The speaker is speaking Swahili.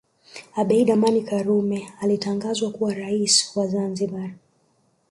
abedi amani karume alitangazwa kuwa rais wa zanzibar